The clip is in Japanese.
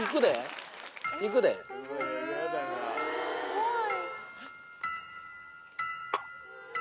怖い！